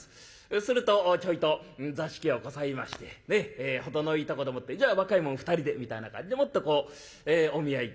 するとちょいと座敷をこさえまして程のいいとこでもって「じゃあ若い者２人で」みたいな感じでもってこうお見合い。